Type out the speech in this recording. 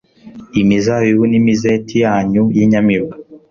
imizabibu n'imizeti yanyu y'inyamibwa